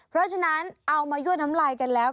เพราะฉะนั้นเอามายั่วน้ำลายกันแล้ว